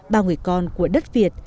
ba người con của đất việt